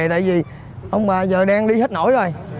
tại vì ông bà giờ đang đi hết nổi rồi